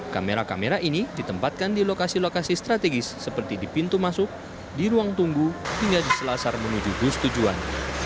kamera kamera ini ditempatkan di lokasi lokasi strategis seperti di pintu masuk di ruang tunggu hingga di selasar menuju bus tujuan